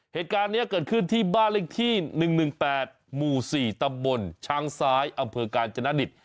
เหตุการณ์นี้เกิดขึ้นที่บ้านเลขที่๑๑๘หมู่๔ตำบลช้างซ้ายอำเภอกาญจนดิต